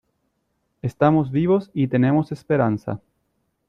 estamos vivos y tenemos esperanza.